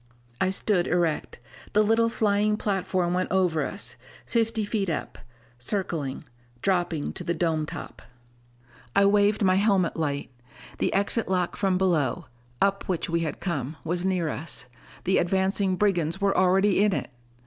I stood erect. The little flying platform went over us, fifty feet up, circling, dropping to the dome top. I waved my helmet light. The exit lock from below up which we had come was near us. The advancing brigands were already in it!